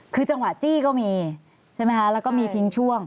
คือจังหวะจี้ก็มีใช่ไหมคะแล้วก็มีทิ้งช่วง